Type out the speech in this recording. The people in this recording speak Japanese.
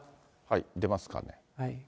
出ますかね。